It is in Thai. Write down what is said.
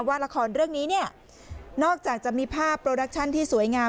ว่าละครเรื่องนี้เนี่ยนอกจากจะมีภาพโปรดักชั่นที่สวยงาม